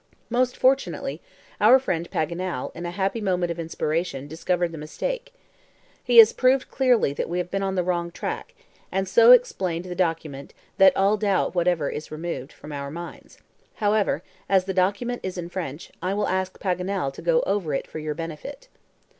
Most fortunately, our friend Paganel, in a happy moment of inspiration, discovered the mistake. He has proved clearly that we have been on the wrong track, and so explained the document that all doubt whatever is removed from our minds. However, as the document is in French, I will ask Paganel to go over it for your benefit."